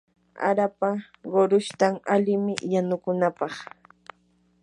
harapa qurushtan alimi yanukunapaq.